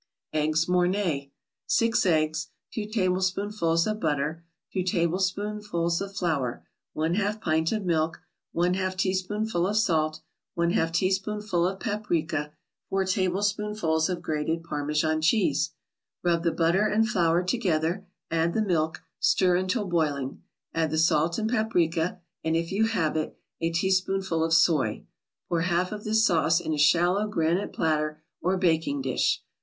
EGGS MORNAY 6 eggs 2 tablespoonfuls of butter 2 tablespoonfuls of flour 1/2 pint of milk 1/2 teaspoonful of salt 1/2 teaspoonful of paprika 4 tablespoonfuls of grated Parmesan cheese Rub the butter and flour together, add the milk, stir until boiling, add the salt and paprika, and if you have it, a teaspoonful of soy; pour half of this sauce in a shallow granite platter or baking dish.